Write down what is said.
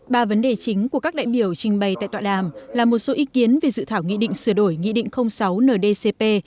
ba vấn đề chính của các đại biểu trình bày tại tọa đàm là một số ý kiến về dự thảo nghị định sửa đổi nghị định sáu ndcp